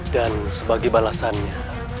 dan sebagai balasannya